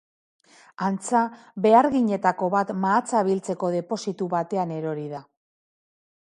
Antza, beharginetako bat mahatsa biltzeko depositu batean erori da.